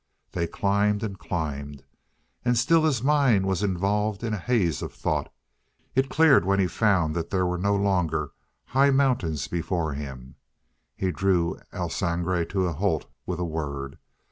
They climbed and climbed, and still his mind was involved in a haze of thought. It cleared when he found that there were no longer high mountains before him. He drew El Sangre to a halt with a word.